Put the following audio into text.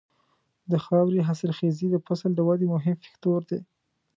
د خاورې حاصلخېزي د فصل د ودې مهم فکتور دی.